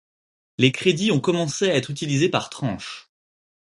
Les crédits ont commencé à être utilisés par tranches.